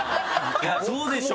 いやそうでしょ！